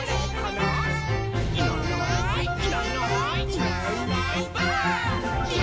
「いないいないばあっ！」